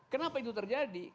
kenapa itu terjadi